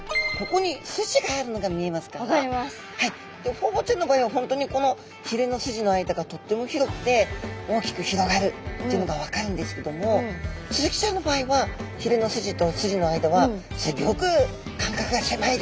ホウボウちゃんの場合はホントにこのひれのスジの間がとっても広くて大きく広がるっていうのが分かるんですけどもスズキちゃんの場合はひれのスジとスジの間はすギョく間隔が狭いですよね。